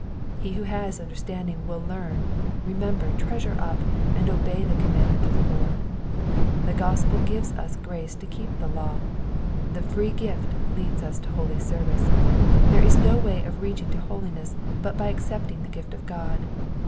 He who has understanding will learn, remember, treasure up, and obey the command ment of the Lord. The gospel gives us grace to keep the law ; the free gift leads us to holy service ; there is no way of reaching to holiness but by accepting the gift of God.